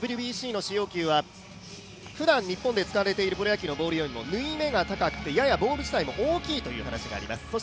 ＷＢＣの使用球はふだん日本で使われているプロ野球のボールよりも縫い目が高くて、ややボール自体も大きいという話もあります。